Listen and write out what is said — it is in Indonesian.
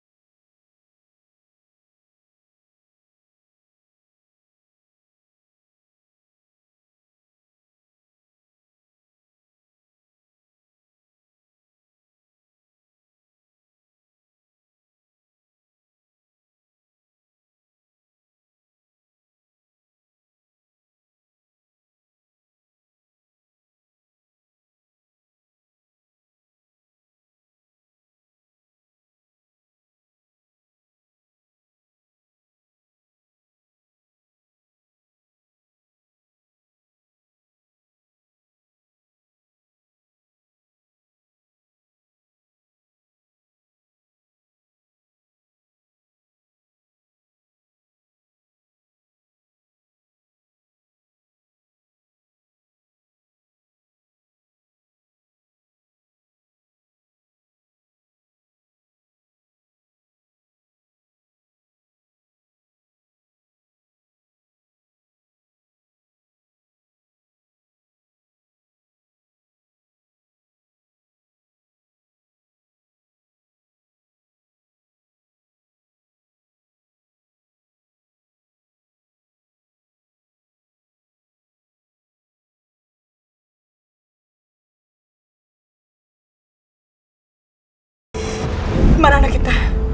ini yang paling baik